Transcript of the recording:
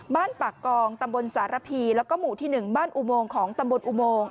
บ้านปากกองตำบลสารพีแล้วก็หมู่ที่๑บ้านอุโมงของตำบลอุโมง